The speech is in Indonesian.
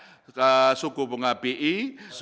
dan menjaga kepentingan bni indonesia